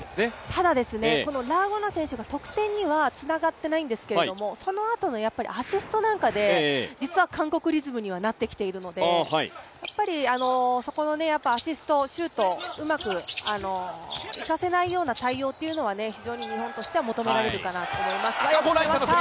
ただ、ラ・ゴナ選手が得点にはつながっていないんですけども、そのあとのアシストなんかで実は韓国リズムにはなってきているので、やっぱりそこのアシスト、シュートうまく行かせないような対応というのは非常に日本としては求められるかなと思います。